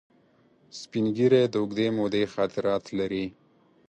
سپین ږیری د اوږدې مودې خاطرات لري